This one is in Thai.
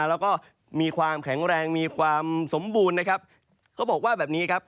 แล้วก็มีความแข็งแรงมีความสมบูรณ์นะครับเขาบอกว่าแบบนี้ครับ